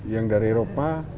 yang dari eropa